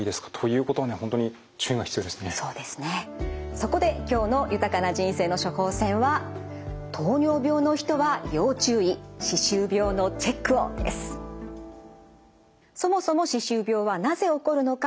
そこで今日の「豊かな人生の処方せん」はそもそも歯周病はなぜ起こるのか？